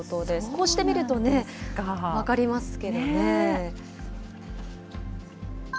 こうして見ると分かりますけどね。